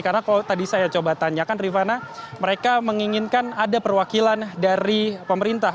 karena kalau tadi saya coba tanyakan rifana mereka menginginkan ada perwakilan dari pemerintah